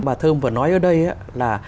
bà thơm vừa nói ở đây là